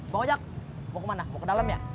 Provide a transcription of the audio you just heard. bang ojak mau kemana mau ke dalam ya